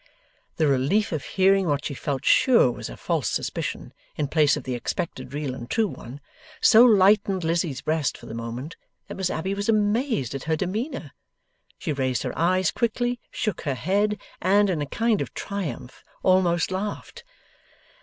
The relief of hearing what she felt sure was a false suspicion, in place of the expected real and true one, so lightened Lizzie's breast for the moment, that Miss Abbey was amazed at her demeanour. She raised her eyes quickly, shook her head, and, in a kind of triumph, almost laughed.